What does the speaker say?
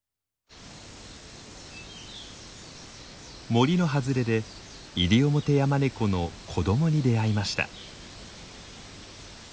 森の外れでイリオモテヤマネコの子どもに出会いました。